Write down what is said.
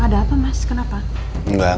ada apa mas kenapa